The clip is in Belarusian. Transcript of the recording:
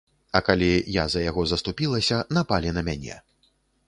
А калі я за яго заступілася, напалі на мяне.